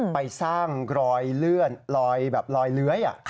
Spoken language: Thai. ไปสร้างรอยเลื่อนลอยแบบลอยเลื้อย